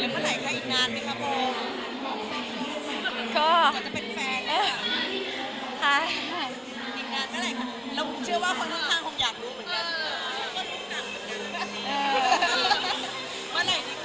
มันเป็นวิวหรอวะ